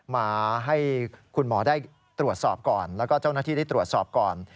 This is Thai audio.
มาให้คุณหมอได้ตรวจสอบก่อนแล้วก็เจ้าหน้าที่ได้ตรวจสอบก่อน